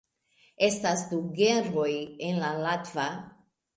Estas du genroj en la latva.